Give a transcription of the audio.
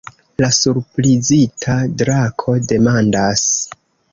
La surprizita drako demandas.